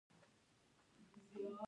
شعر او شایري د افغانانو ذوق دی.